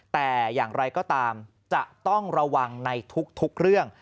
แต่อย่างไรก็ตามจะต้องระวังในทุกเรื่อง